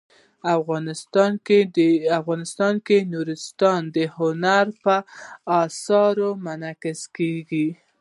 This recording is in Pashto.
افغانستان کې نورستان د هنر په اثار کې منعکس کېږي.